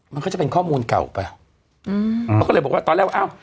มันก็จะเป็นข้อมูลเก่าไปอืมเขาก็เลยบอกว่าตอนแรกว่าอ้าว